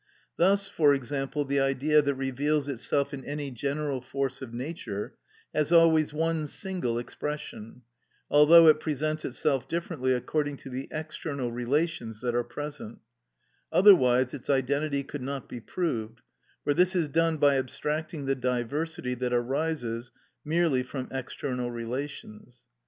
Thus, for example the Idea that reveals itself in any general force of nature has always one single expression, although it presents itself differently according to the external relations that are present: otherwise its identity could not be proved, for this is done by abstracting the diversity that arises merely from external relations.